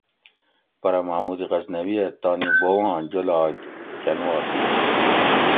پرہ محمود غزنوی ھہ اتانی بوباں جولاگ کن وا تلوُش